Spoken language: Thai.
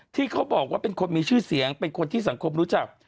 ที่เขาบอกว่าเป็นคนมีชื่อเสียงเป็นคนที่สังคมรู้จัก